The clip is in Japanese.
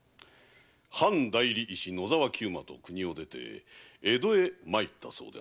藩代理医師・野沢久馬と国を出て江戸へ参ったそうであるが？